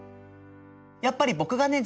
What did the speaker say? やっぱり僕がね